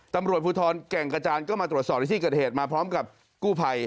ตำรวจภูทรแก่งกระจานก็มาตรวจสอบในที่เกิดเหตุมาพร้อมกับกู้ภัย